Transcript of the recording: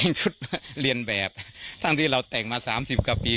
เข้าใจว่าจุดเรียนแบบท่านที่เราแต่งมาสามสิบกว่าปี